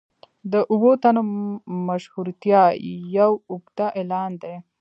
د اوو تنو مشهورتیا یو اوږده اعلان دی.